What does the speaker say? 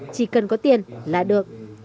chỉ cần có tiền là được